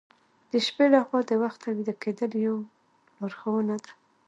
د شپې له خوا د وخته ویده کیدل یو لارښوونه ده.